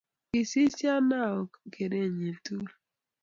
Kiisesio Anao kerenyi tugul